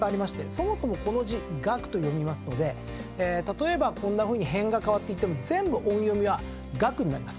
そもそもこの字がくと読みますのでこんなふうに偏が変わってっても全部音読みはがくになります。